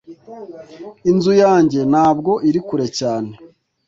Inzu yanjye ntabwo iri kure cyane .